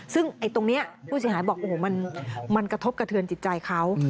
ซึ่งตรงนี้ผู้เสียหายบอกโอ้โหมันกระทบกระเทือนจิตใจเขา